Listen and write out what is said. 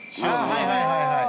はいはいはいはい！